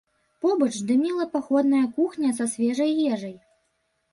Побач дыміла паходная кухня са свежай ежай.